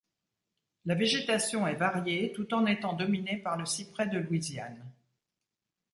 La végétation est variée tout en étant dominé par le cyprès de Louisiane.